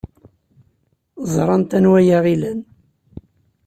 Ẓrant anwa ay aɣ-ilan.